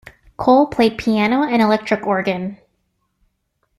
Cole played piano and electric organ.